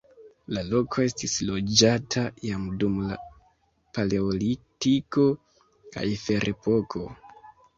La loko estis loĝata jam dum la paleolitiko kaj ferepoko.